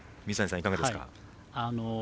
いかがですか？